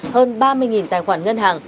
hơn ba mươi tài khoản ngân hàng